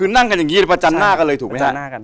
นั่งอย่างนี้มันประจัดหน้ากันเลยถูกไหมครับ